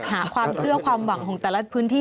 หาความเชื่อความหวังของแต่ละพื้นที่